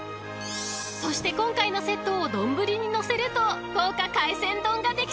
［そして今回のセットを丼にのせると豪華海鮮丼ができちゃうんです］